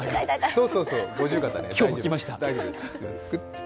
そうそうそう、五十肩が、大丈夫。